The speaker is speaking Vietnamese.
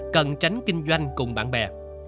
cần tránh kinh doanh cùng bạn bè